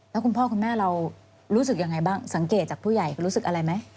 แล้วคุณพ่อคุณแม่เรารู้สึกยังไงบ้างสังเกตจากผู้ใหญ่รู้สึกอะไรไหม